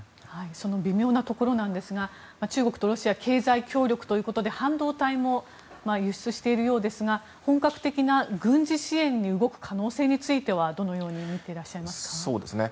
その微妙なところなんですが中国とロシアは経済協力ということで半導体も輸出しているようですが本格的な軍事支援に動く可能性についてはどのようにみていらっしゃいますか？